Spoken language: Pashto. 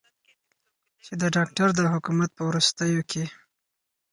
چې د داکتر د حکومت په وروستیو کې